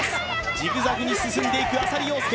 ジグザグに進んでいく浅利陽介